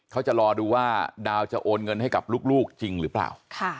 เขาจะรอดูว่าดาวจะโอนเงินให้กับลูกจริงหรือเปล่า